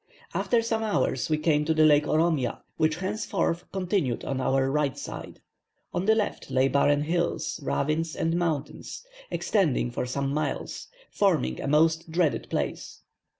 After some hours we came to the Lake Oromia, which henceforth continued on our right side; on the left lay barren hills, ravines and mountains, extending for some miles, forming a most dreaded place.